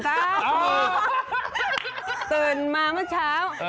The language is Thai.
ตื่นมาเมื่อเช้า